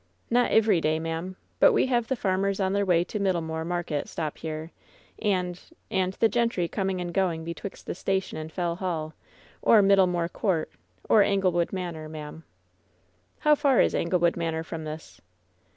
"Not ivery day, ma'am; but we hev the farmers on their way to Middlemoor market stop here; and — and the gentry coming and going betwixt the station and Fell Hall, or Middlemoor Court, or Anglewood Manor, ma'am." "How far is Anglewood Manor from this?"